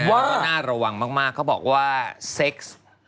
ว่าน่าระวังมากเขาบอกว่าเซ็กส์